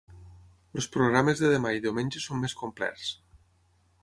Els programes de demà i diumenge són més complerts.